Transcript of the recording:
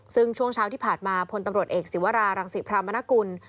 ซึ่งช่วงเช้าที่ผ่านมาพลตำรวจเอกศิวรารังศิพรามนกุล